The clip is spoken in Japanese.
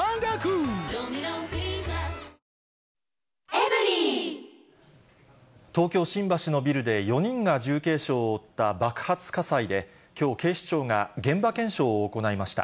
「エアジェット除菌ＥＸ」東京・新橋のビルで４人が重軽傷を負った爆発火災で、きょう警視庁が現場検証を行いました。